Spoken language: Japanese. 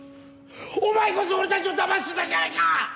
お前こそ俺たちをだましてたじゃないか！